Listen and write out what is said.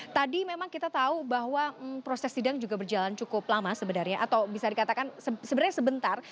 tadi memang kita tahu bahwa proses sidang juga berjalan cukup lama sebenarnya atau bisa dikatakan sebenarnya sebentar